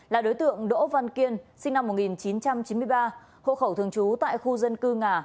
là đối tượng đỗ văn kiên sinh năm một nghìn chín trăm chín mươi ba hộ khẩu thường trú tại khu dân cư ngà